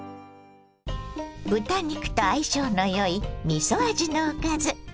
豚肉と相性の良いみそ味のおかず。